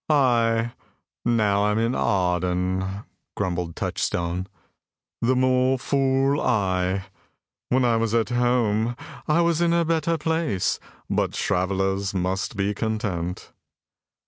"Ay, now I am in Arden," grumbled Touchstone. "The more fool I! When I was at home I was in a better place; but travellers must be content."